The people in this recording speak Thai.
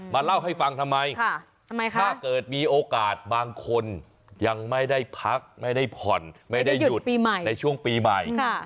มาเล่าให้ฟังทำไมคะถ้าเกิดมีโอกาสบางคนยังไม่ได้พักไม่ได้ผ่อนไม่ได้หยุดปีใหม่ในช่วงปีใหม่